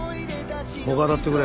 他当たってくれ。